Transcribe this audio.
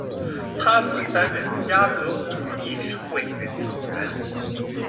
他曾经担任加的夫市议会的议员。